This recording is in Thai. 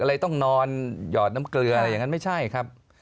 อะไรต้องนอนหยอดน้ำเกลืออะไรอย่างนั้นไม่ใช่ครับ